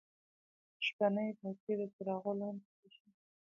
شپنۍ بازۍ د څراغو لانديکیږي.